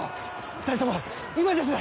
２人とも今です！